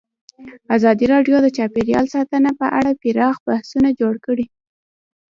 ازادي راډیو د چاپیریال ساتنه په اړه پراخ بحثونه جوړ کړي.